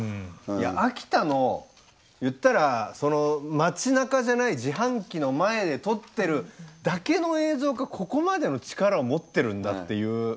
秋田の言ったらその街なかじゃない自販機の前で撮ってるだけの映像がここまでの力を持ってるんだっていう。